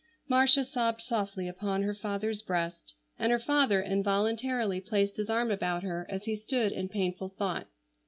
Marcia sobbed softly upon her father's breast, and her father involuntarily placed his arm about her as he stood in painful thought.